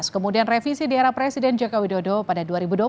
kemudian revisi di era presiden joko widodo pada dua ribu dua puluh empat